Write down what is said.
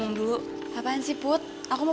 dan tadi kalau disini bagi gue